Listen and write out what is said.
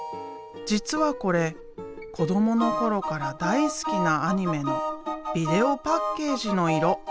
実はこれ子どもの頃から大好きなアニメのビデオパッケージの色。